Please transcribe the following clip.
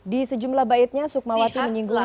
di sejumlah baitnya sukmawati menyinggung